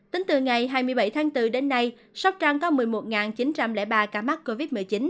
tính từ ngày hai mươi bảy tháng bốn đến nay sóc trăng có một mươi một chín trăm linh ba ca mắc covid một mươi chín